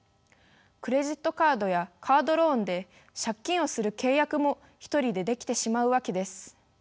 クレジットカードやカードローンで借金をする契約も一人でできてしまうわけです。